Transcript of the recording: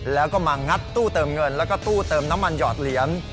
แล้วก็มางัดตู้เติมเงินแล้วก็ตู้เติมน้ำมันหยอดเหรียญ